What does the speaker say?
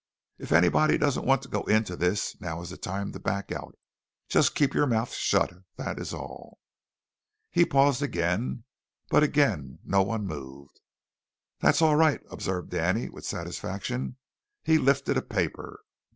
"If anybody doesn't want to go into this, now is the time to back out. Just keep your mouths shut, that is all." He paused again, but again no one moved. "That's all right," observed Danny with satisfaction. He lifted a paper.